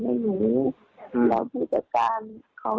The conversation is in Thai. แต่ทีนี้อย่างที่บอกว่าเธอโดนกาดทำร้ายร่างกายนะฮะ